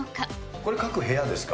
これ、各部屋ですか？